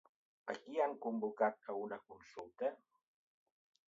A qui han convocat a una consulta?